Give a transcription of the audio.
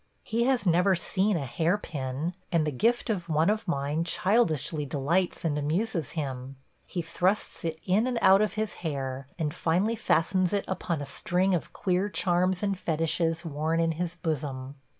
He has never seen a hair pin, and the gift of one of mine childishly delights and amuses him. He thrusts it in and out of his hair, and finally fastens it upon a string of queer charms and fetiches worn in his bosom.